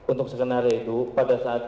untuk skenario itu pada saat